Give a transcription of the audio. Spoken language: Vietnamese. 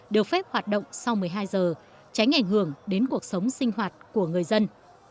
được phép hoạt động sau một mươi hai giờ tránh ảnh hưởng đến cuộc sống sinh hoạt của người dân